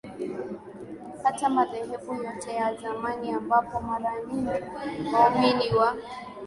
hata madhehebu yote ya zamani ambapo mara nyingi waumini wa